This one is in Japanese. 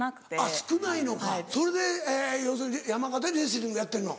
少ないのかそれで要するに山形でレスリングやってんの？